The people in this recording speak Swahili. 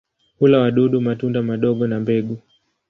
Hula wadudu, matunda madogo na mbegu.